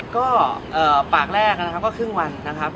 ก็ปากแรกนะครับก็ครึ่งวันนะครับ